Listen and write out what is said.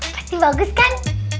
pasti bagus kan